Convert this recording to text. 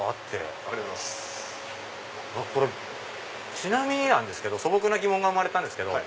ちなみになんですけど素朴な疑問が生まれたんですけど。